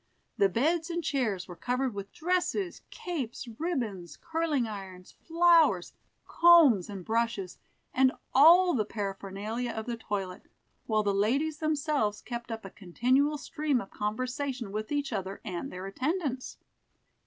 The beds and chairs were covered with dresses, capes, ribbons, curling irons, flowers, combs, and brushes, and all the paraphernalia of the toilet, while the ladies themselves kept up a continual stream of conversation with each other and their attendants.